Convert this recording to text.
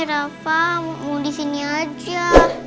kenapa mau di sini aja